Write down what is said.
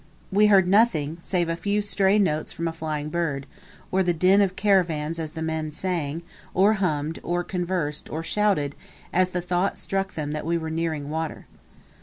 We heard nothing save a few stray notes from a flying bird, or the din of the caravans as the men sang, or hummed, or conversed, or shouted, as the thought struck them that we were nearing water.